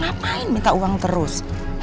ngapain minta uang terus